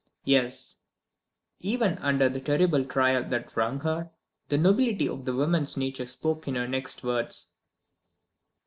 "Yes." Even under the terrible trial that wrung her, the nobility of the woman's nature spoke in her next words.